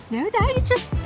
yaudah aja cus